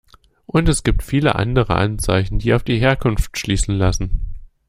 Und es gibt viele andere Anzeichen, die auf die Herkunft schließen lassen.